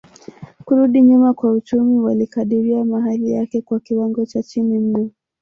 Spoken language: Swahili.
kurudi nyuma kwa uchumi walikadiria makali yake kwa kiwango cha chini mno